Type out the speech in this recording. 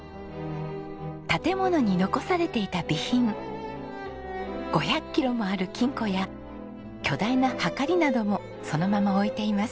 建物に残されていた備品５００キロもある金庫や巨大なはかりなどもそのまま置いています。